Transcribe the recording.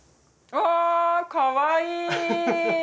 あかわいい！